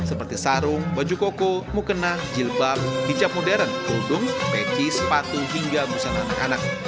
seperti sarung baju koko mukena jilbab hijab modern kerudung peci sepatu hingga busan anak anak